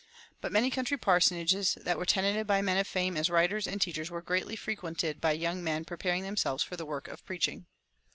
But many country parsonages that were tenanted by men of fame as writers and teachers were greatly frequented by young men preparing themselves for the work of preaching.